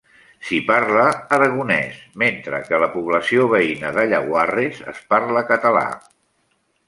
S'hi parla aragonès, mentre que a la població veïna de Llaguarres es parla català.